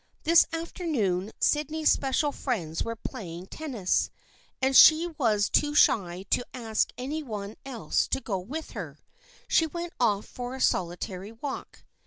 This afternoon Sydney's special friends were playing tennis, and as she was too shy to ask any one else to go with her, she went off for a solitary walk.